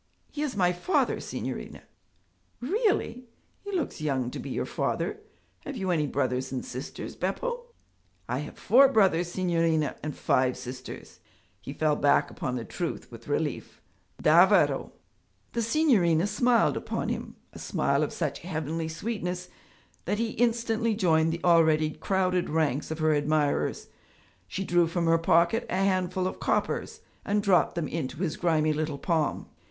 'He is my father, signorina.' 'Really! He looks young to be your father have you any brothers and sisters, Beppo?' 'I have four brothers, signorina, and five sisters.' He fell back upon the truth with relief. 'Davvero!' The signorina smiled upon him, a smile of such heavenly sweetness that he instantly joined the already crowded ranks of her admirers. She drew from her pocket a handful of coppers and dropped them into his grimy little palm.